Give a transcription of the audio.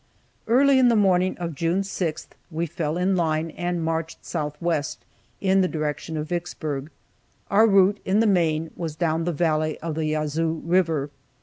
Early in the morning of June 6th we fell into line and marched southwest, in the direction of Vicksburg. Our route, in the main, was down the valley of the Yazoo river.